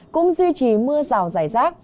cũng duy trì mưa rào rải rác